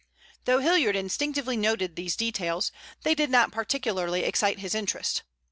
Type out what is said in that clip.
Though Hilliard instinctively noted these details, they did not particularly excite his interest.